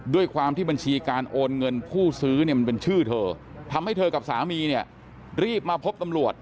ด้วยความที่บัญชีการโอนเงินผู้ซื้อเนี่ยมันเป็นชื่อเธอทำให้เธอกับสามีเนี่ยรีบมาพบตำรวจ